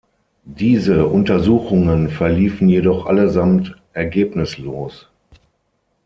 Diese Untersuchungen verliefen jedoch allesamt ergebnislos.